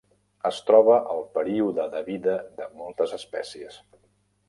Es troba al període de vida de moltes espècies.